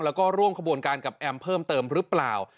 แล้วก็ร่วมขบวนการกับแอมเพิ่มเติมหรือเปล่า